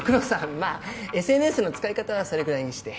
まあＳＮＳの使い方はそれぐらいにして。